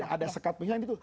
ada sekat pemisah